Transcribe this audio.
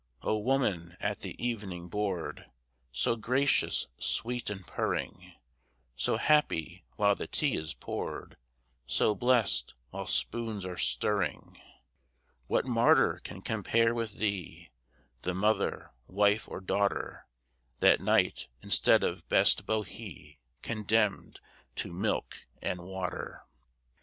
O woman, at the evening board So gracious, sweet, and purring, So happy while the tea is poured, So blest while spoons are stirring, What martyr can compare with thee, The mother, wife, or daughter, That night, instead of best Bohea, Condemned to milk and water!